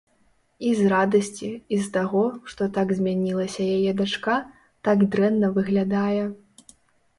І з радасці, і з таго, што так змянілася яе дачка, так дрэнна выглядае.